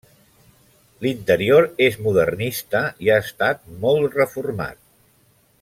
L'interior és modernista i ha estat molt reformat.